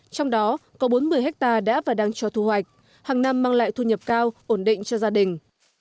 trong đó có bốn mươi hectare đã và đang cho thu hoạch hàng năm mang lại thu nhập cao ổn định cho gia đình